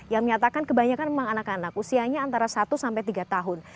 yang menyatakan kebanyakan memang anak anak usianya antara satu sampai tiga tahun